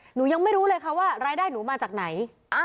หนูยังไม่รู้เลยค่ะว่ารายได้หนูมาจากไหน